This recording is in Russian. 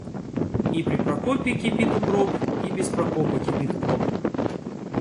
И при Прокопе кипит укроп, и без Прокопа кипит укроп.